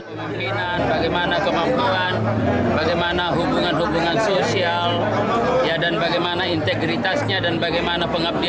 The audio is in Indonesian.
pemimpinan bagaimana kemampuan bagaimana hubungan hubungan sosial dan bagaimana integritasnya dan bagaimana pengabdian